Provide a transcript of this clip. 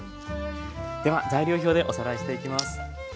では材料表でおさらいしていきます。